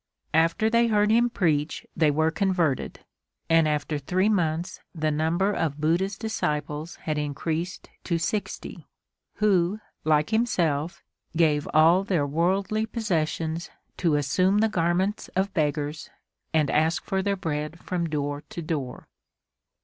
After they heard him preach they were converted, and after three months the number of Buddha's disciples had increased to sixty, who, like himself, gave all their worldly possessions to assume the garments of beggars and ask for their bread from door to door.